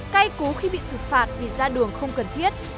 cay cú khi bị xử phạt vì ra đường không cần thiết